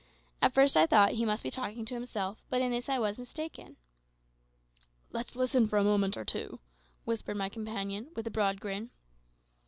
At first I thought he must be talking to himself, but in this I was mistaken. "Let's listen for a minute or two," whispered my companion, with a broad grin.